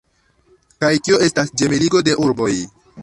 Kaj kio estas ĝemeligo de urboj?